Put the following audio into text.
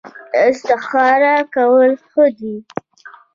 استخاره کول ښه دي